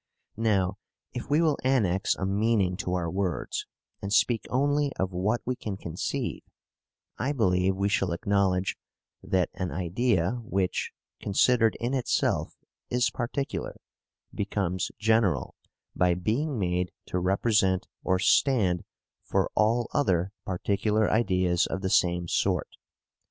Now, if we will annex a meaning to our words, and speak only of what we can conceive, I believe we shall acknowledge that an idea which, considered in itself, is particular, becomes general by being made to represent or stand for all other particular ideas of the same sort.